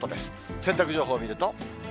洗濯情報見ると。